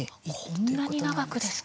こんなに長くですか。